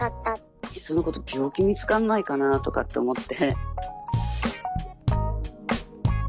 いっそのこと病気見つかんないかなとかって思って。